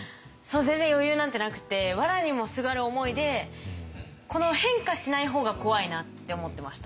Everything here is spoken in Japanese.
全然余裕なんてなくてわらにもすがる思いで変化しない方が怖いなって思ってました。